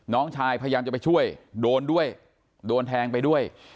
น้องชายพยายามจะไปช่วยโดนด้วยโดนแทงไปด้วย